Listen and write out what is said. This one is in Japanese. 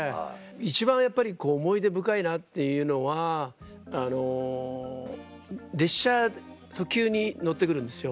一番やっぱり思い出深いなっていうのはあの列車特急に乗って来るんですよ。